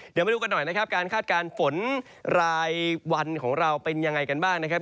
เดี๋ยวมาดูกันหน่อยนะครับการคาดการณ์ฝนรายวันของเราเป็นยังไงกันบ้างนะครับ